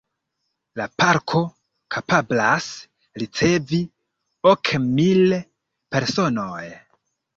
La Parko kapablas ricevi ok mil personojn.